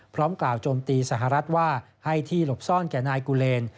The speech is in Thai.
พร้อมกล่าวโจมตีสหรัฐว่าให้ที่หลบซ่อนแก่นายกูเลน